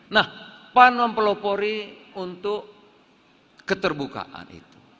nah pan mempelopori untuk keterbukaan itu